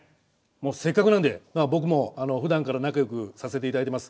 せっかくなんで僕もふだんから仲よくさせていただいてます